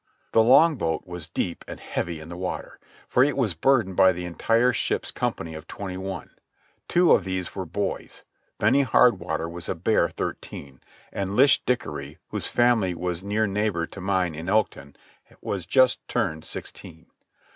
The longboat was deep and heavy in the water, for it was burdened by the entire ship's company of twenty one. Two of these were boys. Benny Hardwater was a bare thirteen, and Lish Dickery, whose family was near neighbour to mine in Elkton, was just turned sixteen.